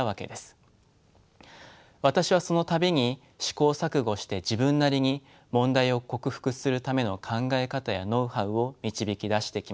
私はその度に試行錯誤して自分なりに問題を克服するための考え方やノウハウを導き出してきました。